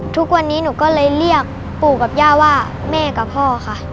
ทุกวันนี้หนูก็เลยเรียกปู่กับย่าว่าแม่กับพ่อค่ะ